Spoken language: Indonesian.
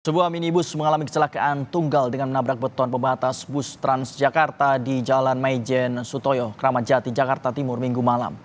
sebuah minibus mengalami kecelakaan tunggal dengan menabrak beton pembatas bus transjakarta di jalan maijen sutoyo kramat jati jakarta timur minggu malam